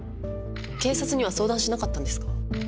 警察には相談しなかったんですか？